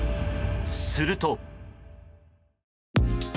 すると。